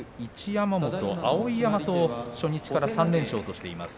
山本、碧山と初日から３連勝としています。